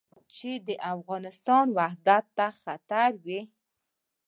چې د افغانستان وحدت ته خطر وي.